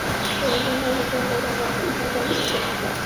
源西街道是中国广东省河源市源城区下辖的一个街道。